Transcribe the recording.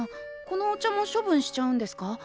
このお茶も処分しちゃうんですか？